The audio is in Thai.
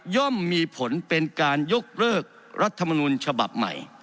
่อมมีผลเป็นการยกเลิกรัฐมนุนฉบับใหม่